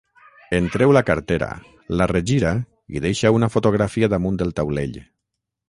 En treu la cartera, la regira i deixa una fotografia damunt del taulell.